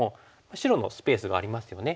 白のスペースがありますよね。